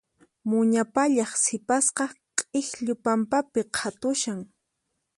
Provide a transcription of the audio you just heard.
Muña pallaq sipasqa k'ikllu pampapi qhatushan.